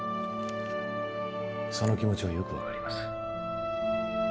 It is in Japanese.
その気持ちはよくわかります。